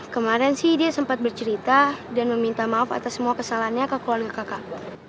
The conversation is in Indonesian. kemarin sih dia sempat bercerita dan meminta maaf atas semua kesalahannya ke keluarga kakak